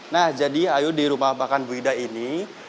nah jadi ayo di rumah makan bu ida ini